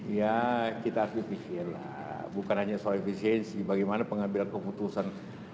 ya kita harus berpikir lah bukan hanya soal efisiensi bagaimana pengambilan keputusan